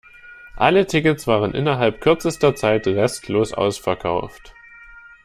Alle Tickets waren innerhalb kürzester Zeit restlos ausverkauft.